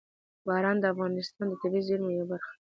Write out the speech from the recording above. باران د افغانستان د طبیعي زیرمو یوه برخه ده.